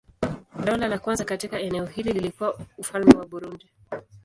Dola la kwanza katika eneo hili lilikuwa Ufalme wa Burundi.